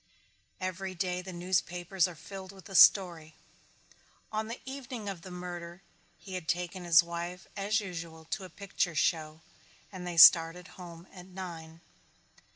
Every day the newspapers are filled with the story. On the evening of the murder he had taken his wife as usual to a picture show and they started home at nine.